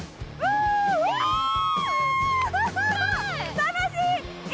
楽しい！